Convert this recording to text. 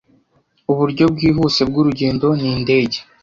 Uburyo bwihuse bwurugendo nindege.